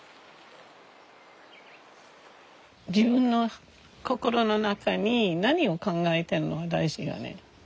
自分の心の中に何を考えてるの大事よね。